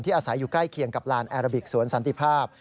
อาศัยอยู่ใกล้เคียงกับลานแอราบิกสวนสันติภาพ